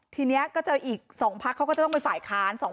ทีนี้ก็เจออีก๒พักเขาก็จะต้องเป็นฝ่ายค้าน